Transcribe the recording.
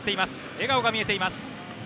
笑顔が見えています。